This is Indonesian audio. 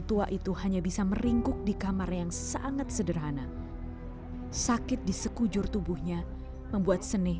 tua itu hanya bisa meringkuk di kamar yang sangat sederhana sakit di sekujur tubuhnya membuat seni